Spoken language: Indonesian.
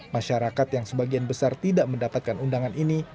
masyarakat yang sebagian besar tidak mendapatkan undangan ini